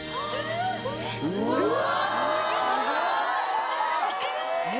うわ！